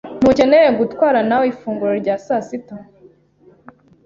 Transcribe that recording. Ntukeneye gutwara nawe ifunguro rya sasita.